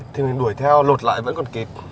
thì mình đuổi theo lột lại vẫn còn kịp